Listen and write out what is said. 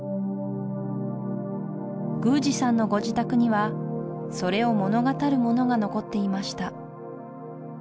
宮司さんのご自宅にはそれを物語るものが残っていました